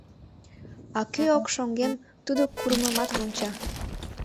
А кӧ ок шоҥгем — тудо курымымат вонча.